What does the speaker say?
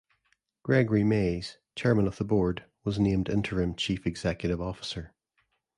Gregory Mays, Chairman of the Board, was named interim chief executive officer.